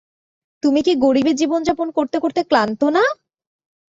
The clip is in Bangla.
তুমি কি গরিবি জীবনযাপন করতে করতে ক্লান্ত না?